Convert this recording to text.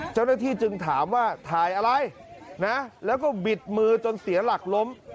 เจ้าหน้าที่จึงถามว่าถ่ายอะไรนะแล้วก็บิดมือจนเสียหลักล้ม